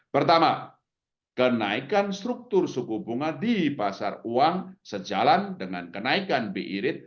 pertama kenaikan struktur suku bunga di pasar uang sejalan dengan kenaikan bi rate